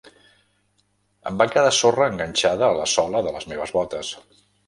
Em va quedar sorra enganxada a la sola de les meves botes.